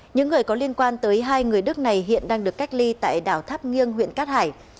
những người có liên quan tới hai người đức này hiện đang được cách ly tại đảo tháp nghiêng huyện cát hải